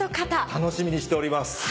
楽しみにしております。